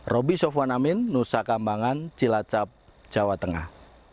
roby sofwan amin nusa kambangan cilacap jawa tengah